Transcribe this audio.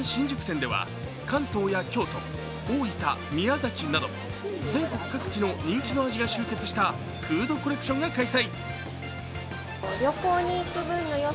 伊勢丹新宿店では関東や京都、大分、宮崎など全国各地の人気の味が集結したフードコレクションが開催。